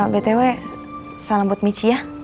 btw salam buat michi ya